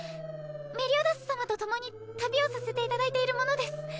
メリオダス様と共に旅をさせていただいている者です。